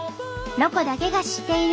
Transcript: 「ロコだけが知っている」。